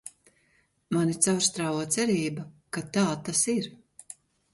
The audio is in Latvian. Mani caurstrāvo cerība, ka tā tas ir.